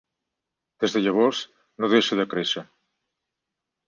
Des de llavors, no deixa de créixer.